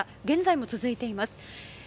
現在も続いています。